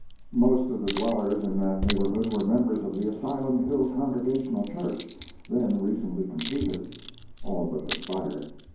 Most of the dwellers in that neighborhood were members of the Asylum Hill Congregational Church, then recently completed; all but the spire.